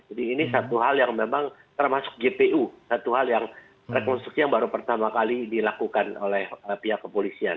jadi ini satu hal yang memang termasuk gpu satu hal yang rekonstruksi yang baru pertama kali dilakukan oleh pihak kepolisian